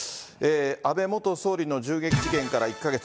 安倍元総理の銃撃事件から１か月。